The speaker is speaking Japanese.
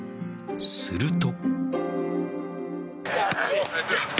すると。